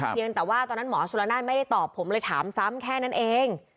เพียงแต่ว่าตอนนั้นหมอสุรนานไม่ได้ตอบผมเลยถามซ้ำแค่นั้นเอง